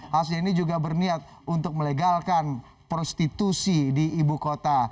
hasyani juga berniat untuk melegalkan prostitusi di ibu kota